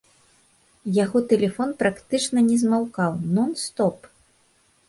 Яго тэлефон практычна не змаўкаў, нон-стоп!